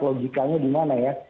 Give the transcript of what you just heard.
logikanya di mana ya